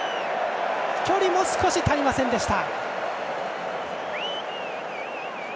距離も少し足りませんでした。